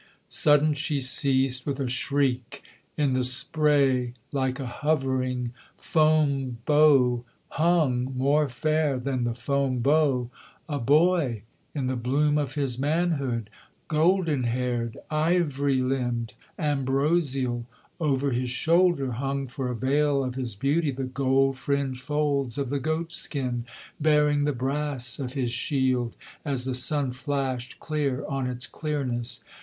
Sudden she ceased, with a shriek: in the spray, like a hovering foam bow, Hung, more fair than the foam bow, a boy in the bloom of his manhood, Golden haired, ivory limbed, ambrosial; over his shoulder Hung for a veil of his beauty the gold fringed folds of the goat skin, Bearing the brass of his shield, as the sun flashed clear on its clearness.